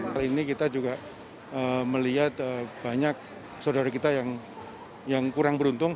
kali ini kita juga melihat banyak saudara kita yang kurang beruntung